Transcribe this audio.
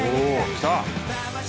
来た！